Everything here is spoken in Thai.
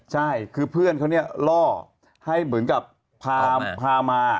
ใช่คือเพื่อนเขาเนี่ยล่อให้เหมือนกับพามา